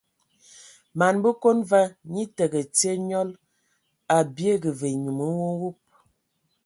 Man Bəkon va nye təgə tye nyɔl, a biege va enyum nwuwub.